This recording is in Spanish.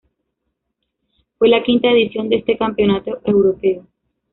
Fue la quinta edición de este campeonato europeo.